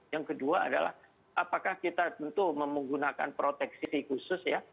yang kedua adalah apakah kita tentu menggunakan proteksi khusus ya